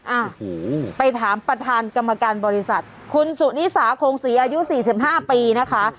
อ้าวไปถามประธานกรรมการบริษัทคุณสุนิสาโคงศรีอายุ๔๕ปีนะคะ